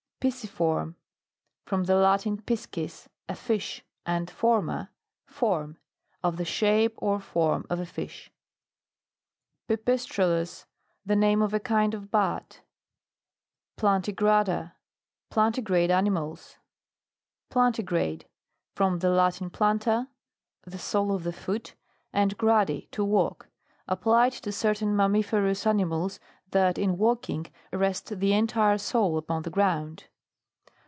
PISCIFORM. From the Latin, piscis, a fish, and forma, form. Of the shape or form of a fish. PIPISTRELLUS. The name of a kind of bat. FLANTIGRADA. Plantigrade animals. PLANTIGRADE From the L dinplanta, the sole of the foot, and gradi, to walk. Applied to certain mam miferous animals that, in walking, rest the entire sole upon the ground.